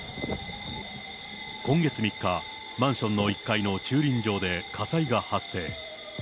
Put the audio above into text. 今月３日、マンションの１階の駐輪場で火災が発生。